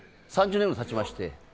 ３０年ぐらいたちまして。